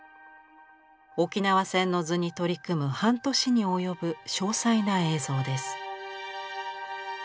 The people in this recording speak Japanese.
「沖縄戦の図」に取り組む半年に及ぶ詳細な映像です。